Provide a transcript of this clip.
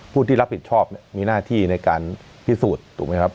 ผู้ที่รับผิดชอบมีหน้าที่ในการพิสูจน์ถูกไหมครับ